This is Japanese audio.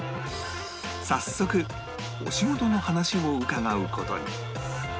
早速お仕事の話を伺う事に